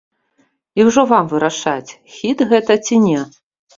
І ўжо вам вырашаць, хіт гэта, ці не.